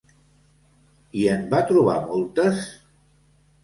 I en va trobar moltes?